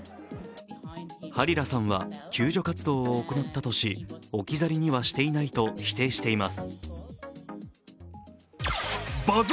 ハリラさんは、救助活動を行ったとし、置き去りにしてはいないと否定しています。